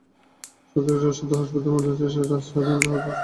সাতক্ষীরা সদর হাসপাতালে ময়নাতদন্ত শেষে লাশ স্বজনদের কাছে হস্তান্তর করা হয়েছে।